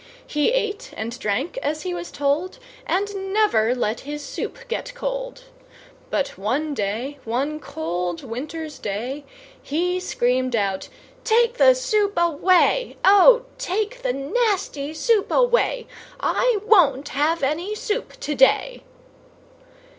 He ate and drank as he was told, And never let his soup get cold. But one day, one cold winter's day, He screamed out "Take the soup away! O take the nasty soup away! I won't have any soup today."